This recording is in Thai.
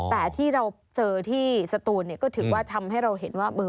แต่ที่เราเจอที่สตูนก็ถือว่าทำให้เราเห็นว่าเบอร์